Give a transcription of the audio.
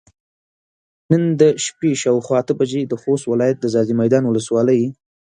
نن د شپې شاوخوا اته بجې د خوست ولايت د ځاځي ميدان ولسوالۍ